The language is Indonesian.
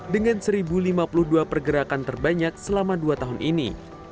kedua pergerakan terbanyak selama dua tahun ini